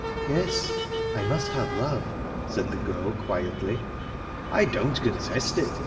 "Yes, I must have love," said the girl quietly. "I don't contest it.